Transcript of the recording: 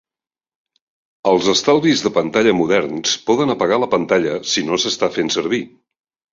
Els estalvis de pantalla moderns poden apagar la pantalla si no s'està fent servir.